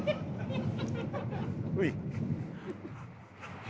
うい！